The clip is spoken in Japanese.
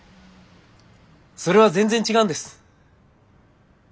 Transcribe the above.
それは全然違うんです。